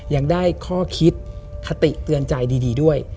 ยังได้ข้อคิดคติเตือนใจดีด้วย